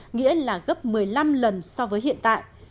nghĩa là gấp một mươi năm lần so với hiện tại